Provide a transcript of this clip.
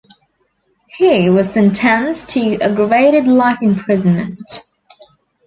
He was sentenced to aggravated life imprisonment.